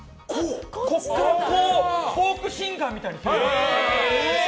ここからこうフォークシンガーみたいに。